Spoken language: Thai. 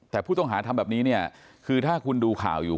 แต่ผู้ต้องหาทำแบบนี้เนี่ยคือถ้าคุณดูข่าวอยู่